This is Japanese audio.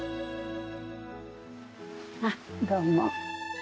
あっどうも。